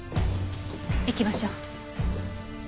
行きましょう。